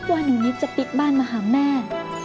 ว่าหนูนิดจะปิดบ้านมาหาแม่